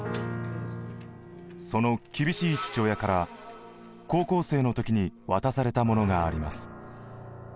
その厳しい父親から高校生の時に渡されたものがあります。